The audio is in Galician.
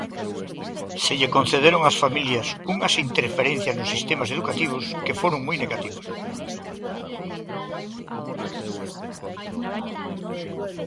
Se lle concederon ás familias unhas interferencias nos sistemas educativos que foron moi negativos.